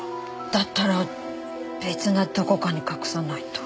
だったら別などこかに隠さないと。